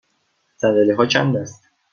صندلی ها چند است؟